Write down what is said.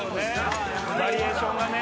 バリエーションがね。